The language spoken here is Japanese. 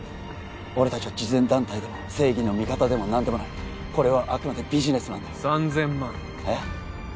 俺達は慈善団体でも正義の味方でも何でもないこれはあくまでビジネスなんだよ３０００万えっ？